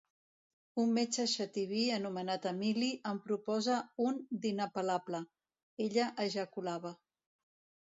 Un metge xativí anomenat Emili en proposa un d'inapel·lable: “ella ejaculava”.